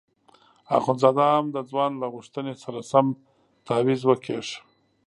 اخندزاده هم د ځوان له غوښتنې سره سم تاویز وکیښ.